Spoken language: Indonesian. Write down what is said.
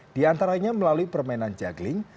di antaranya melalui permainan juggling